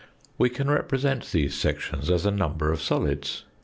We can represent these sections as a number of solids.